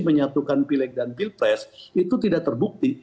menyatukan pileg dan pilpres itu tidak terbukti